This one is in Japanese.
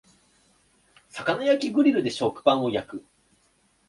魚焼きグリルで食パンを焼く